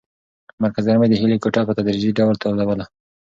مرکز ګرمۍ د هیلې کوټه په تدریجي ډول تودوله.